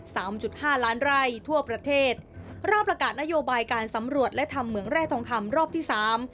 จุดห้าล้านไร่ทั่วประเทศรอบประกาศนโยบายการสำรวจและทำเหมืองแร่ทองคำรอบที่สาม